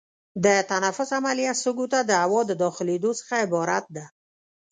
د تنفس عملیه سږو ته د هوا د داخلېدو څخه عبارت ده.